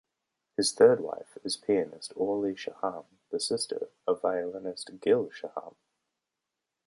His third wife is pianist Orli Shaham, the sister of violinist Gil Shaham.